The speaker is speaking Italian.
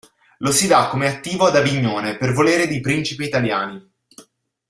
Lo si dà come attivo ad Avignone, per volere di principi italiani.